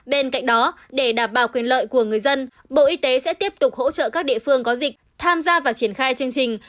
bên cạnh đó để đảm bảo quyền lợi của người dân bộ y tế sẽ tiếp tục hỗ trợ các địa phương có dịch tham gia và triển khai chương trình